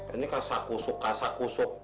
ini kasak kusuk kasak kusuk